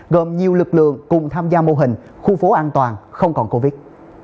gồm nhiều lực lượng cùng tham gia mô hình khu phố an toàn không còn covid